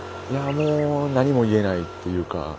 もう何も言えないっていうか。